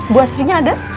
bu astrinya ada